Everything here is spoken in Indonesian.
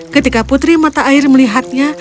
ketika putri mata air melihatnya